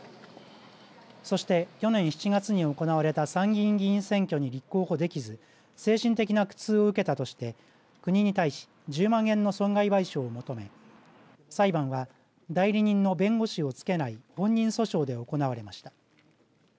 そして去年７月に行われた参議院議員選挙に立候補できず精神的な苦痛を受けたとして国に対し１０万円の損害賠償を求め裁判は代理人の弁護士をつけない本人訴訟で行われました。